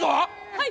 はい。